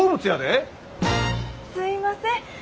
・すいません。